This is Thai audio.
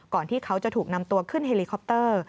ที่เขาจะถูกนำตัวขึ้นเฮลิคอปเตอร์